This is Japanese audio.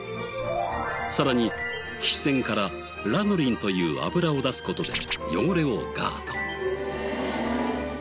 さらに皮脂腺からラノリンという脂を出す事で汚れをガード。